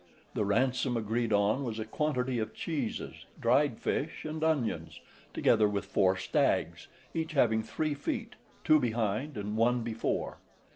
The ransom agreed on was a quantity of cheeses, dried fish, and onions, together with four stags, each having three feet, two behind and one before.